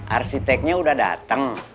arsiteknya udah dateng